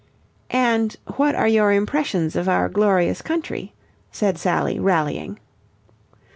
"And what are your impressions of our glorious country?" said Sally rallying.